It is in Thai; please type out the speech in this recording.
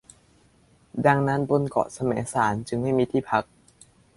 ดังนั้นบนเกาะแสมสารจึงไม่มีที่พัก